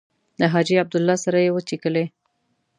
له حاجي عبدالله سره یې وڅښلې.